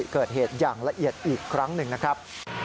เกิดเหตุอย่างละเอียดอีกครั้งหนึ่งนะครับ